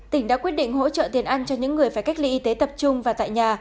tỉnh đã quyết định hỗ trợ tiền ăn cho những người phải cách ly y tế tập trung và tại nhà